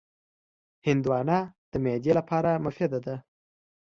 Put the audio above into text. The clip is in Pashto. هندوانه د معدې درد لپاره مفیده ده.